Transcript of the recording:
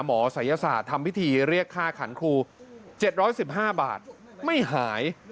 ศัยศาสตร์ทำพิธีเรียกค่าขันครู๗๑๕บาทไม่หาย